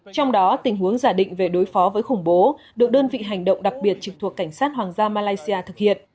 trong đó tình huống giả định về đối phó với khủng bố được đơn vị hành động đặc biệt trực thuộc cảnh sát hoàng gia malaysia thực hiện